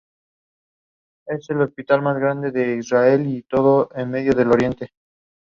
The election did not take place.